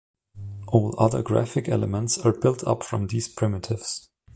All other graphic elements are built up from these primitives.